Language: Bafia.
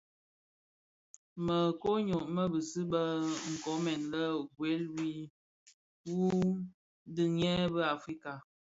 Më koň ňyô bi siri bë nkoomèn bë, wuèl wu ndiňyèn bi Africa.